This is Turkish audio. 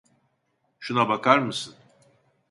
Şuna bakar mısın?